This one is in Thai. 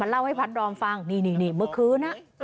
มาเล่าให้พระดอมฟังนี่นี่นี่เมื่อคืนอ่ะอ่า